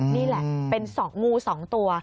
นี่แหละเป็นงูสองตัว